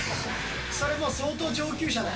それもう、相当上級者だよ。